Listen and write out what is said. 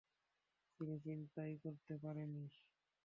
তিনি চিন্তাই করতে পারেন নি।